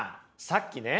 さっきね